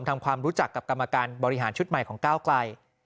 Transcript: ทำความรู้จักกับกรรมการบริหารชุดใหม่ของก้าวไกล